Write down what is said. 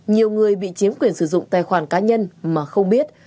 nhiều người bị chiếm quyền sử dụng tài khoản cá nhân mà không biết